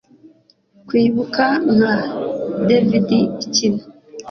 kwibuka nka dvd ikina